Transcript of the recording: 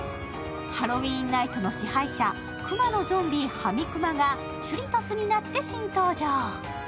ハロウィーンナイトの支配者、クマのゾンビハミクマがチュリトスになって新登場。